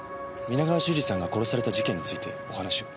皆川修二さんが殺された事件についてお話を。